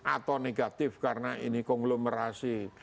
atau negatif karena ini konglomerasi